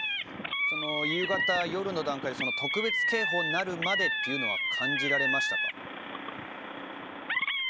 夕方、夜の段階で特別警報になるまでというのは感じられましたか？